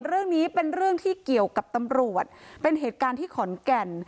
เรื่องนี้เป็นเรื่องที่เกี่ยวกับตำรวจเป็นเหตุการณ์ที่ขอนแก่น